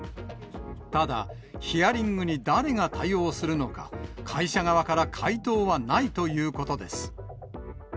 ただ、ヒアリングに誰が対応するのか、会社側から回答はないということです。